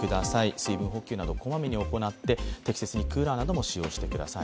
水分補給などこまめに行って、適切にクーラーなども使用してください。